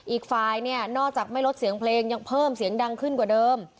อีกฝ่ายเนี่ยนอกจากไม่ลดเสียงเพลงยังเพิ่มเสียงดังขึ้นกว่าเดิม